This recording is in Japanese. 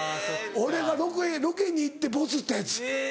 俺がロケに行ってボツったやつ。